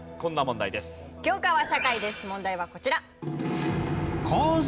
問題はこちら。